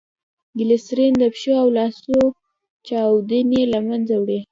ګلیسرین دپښو او لاسو چاودي له منځه وړي.